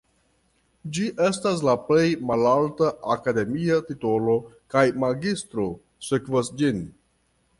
Ĝi estas la plej malalta akademia titolo kaj magistro sekvas ĝin.